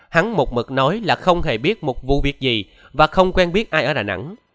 hắn một mực nói là không hề biết một vụ việc gì và không quen biết ai ở đà nẵng